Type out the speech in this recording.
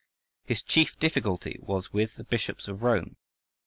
His chief difficulty was with the bishops of Rome.